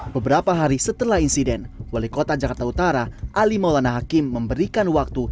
beberapa hari setelah insiden wali kota jakarta utara ali maulana hakim memberikan waktu